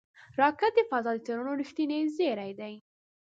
راکټ د فضا د څېړنو رېښتینی زېری دی